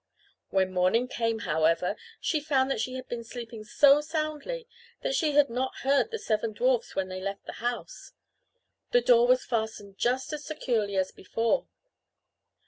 When morning came, however, she found that she had been sleeping so soundly that she had not heard the seven dwarfs when they left the house. The door was fastened just as securely as before.